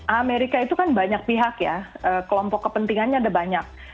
amerika itu kan banyak pihak ya kelompok kepentingannya ada banyak